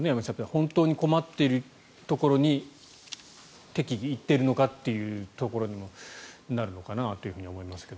本当に困っているところに適宜、行っているのかというところにもなるのかなと思いますが。